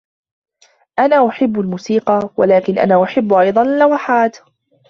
أنا أحب الموسيقي, ولكن أنا أحب أيضاً اللوحات.